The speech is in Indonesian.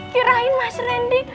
kirain mas rendy